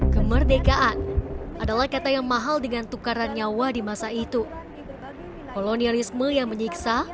kemerdekaan adalah kata yang mahal dengan tukaran nyawa di masa itu kolonialisme yang menyiksa